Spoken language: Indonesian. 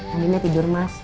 andi tidur mas